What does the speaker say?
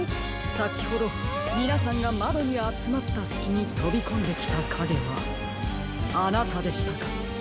さきほどみなさんがまどにあつまったすきにとびこんできたかげはあなたでしたか。